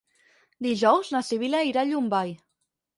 Dijous na Sibil·la irà a Llombai.